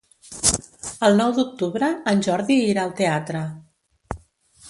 El nou d'octubre en Jordi irà al teatre.